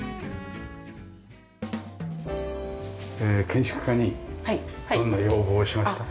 建築家にどんな要望をしました？